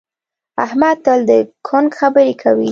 احمد تل د کونک خبرې کوي.